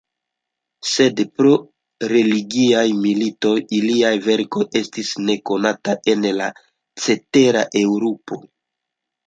Sed pro religiaj militoj iliaj verkoj estis nekonataj en la cetera Eŭropo.